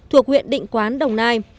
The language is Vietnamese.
thuộc huyện định quán đồng nai